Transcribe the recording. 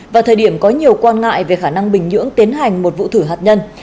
vào thời điểm có nhiều quan ngại về khả năng bình nhưỡng tiến hành một vụ thử hạt nhân